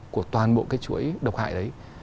của toàn bộ cái chuỗi độc hại đấy